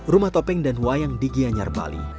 rumah topeng dan wayang di gianyar bali